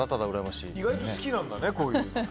意外と好きなんだね、こういう。